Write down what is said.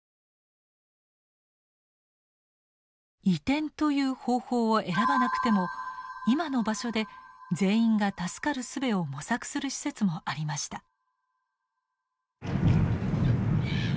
移転という方法を選ばなくても今の場所で全員が助かるすべを模索する施設もありました。